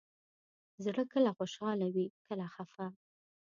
زړه کله خوشحاله وي، کله خفه.